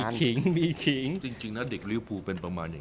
จริงนะเด็กริวภูเป็นประมาณอย่างนี้